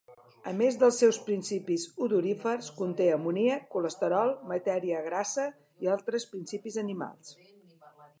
A més dels seus principis odorífers, conté amoníac, colesterol, matèria grassa, i altres principis animals.